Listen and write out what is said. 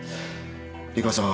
里香さん